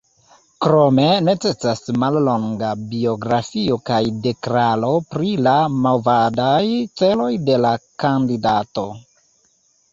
Krome necesas mallonga biografio kaj deklaro pri la movadaj celoj de la kandidato.